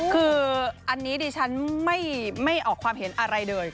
คืออันนี้ดิฉันไม่ออกความเห็นอะไรเลย